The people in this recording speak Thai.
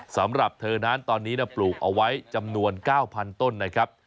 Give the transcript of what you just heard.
สำหรับเธอนั้นตอนนี้ปลูกเอาไว้จำนวน๙๐๐ต้นนะครับ